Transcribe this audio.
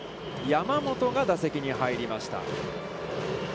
山本が打席に入りました。